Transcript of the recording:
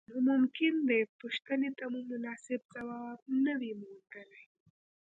نو ممکن دې پوښتنې ته مو مناسب ځواب نه وي موندلی.